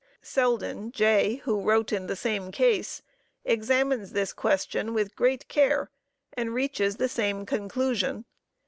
_" Selden, J., who wrote in the same case, examines this question with great care and reaches the same conclusion.